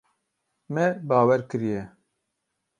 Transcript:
Me bawer kiriye.